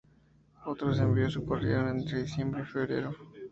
Otros envíos ocurrieron entre diciembre y febrero.